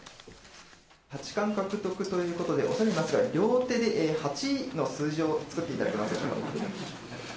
八冠獲得ということで、恐れ入りますが、両手で八の数字を作っていただけますでしょうか。